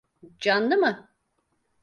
Canlı mı?